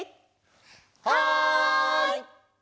はい！